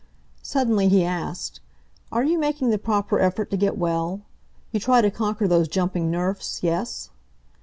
Suddenly he asked: "Are you making the proper effort to get well? You try to conquer those jumping nerfs, yes?"